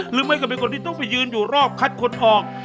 หรือไม่ก็เป็นคนที่ต้องไปยืนอยู่รอบคัดคนออก